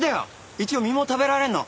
一応実も食べられるの。